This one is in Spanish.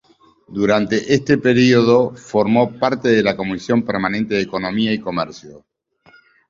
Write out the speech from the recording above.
Durante este período formó parte de la comisión permanente de Economía y Comercio.